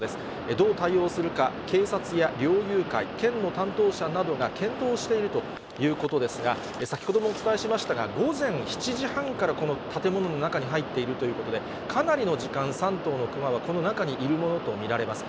どう対応するか、警察や猟友会、県の担当者などが検討しているということですが、先ほどもお伝えしましたが、午前７時半からこの建物の中に入っているということで、かなりの時間、３頭のクマはこの中にいるものと見られます。